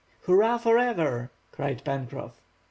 "Hurrah forever!" cried Pencroff.